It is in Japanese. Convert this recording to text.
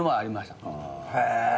へえ。